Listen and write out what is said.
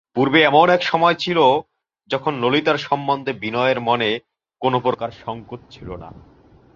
পূর্বে এমন এক সময় ছিল যখন ললিতার সম্বন্ধে বিনয়ের মনে কোনোপ্রকার সংকোচ ছিল না।